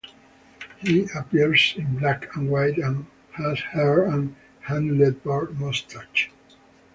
He appears in black and white and has hair and a handlebar mustache.